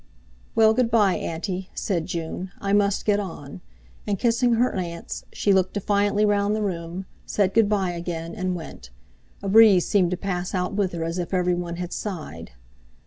"Well, good bye, Auntie," said June; "I must get on," and kissing her aunts, she looked defiantly round the room, said "Good bye" again, and went. A breeze seemed to pass out with her, as if everyone had sighed.